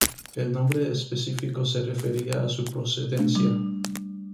El nombre específico se refiere a su procedencia.